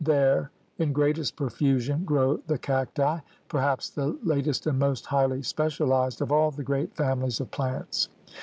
There in greatest profusion grow the cacti, perhaps the latest and most highly specialized of all the great famihes of plants.